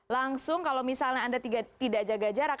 langsung kalau misalnya anda tidak jaga jarak